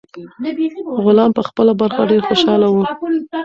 غلام په خپله برخه ډیر خوشاله و.